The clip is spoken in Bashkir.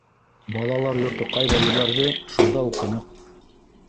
Балалар йорто ҡайҙа ебәрҙе - шунда уҡыныҡ...